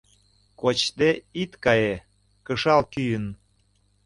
Кочде ит кае — кышал кӱын...